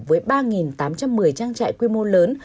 với ba tám trăm một mươi trang trại quy mô lớn